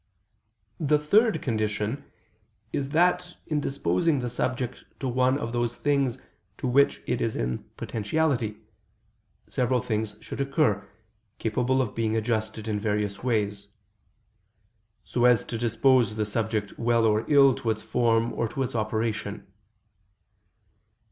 The third condition is that in disposing the subject to one of those things to which it is in potentiality, several things should occur, capable of being adjusted in various ways: so as to dispose the subject well or ill to its form or to its operation.